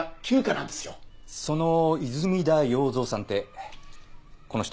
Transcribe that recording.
その泉田耀造さんってこの人？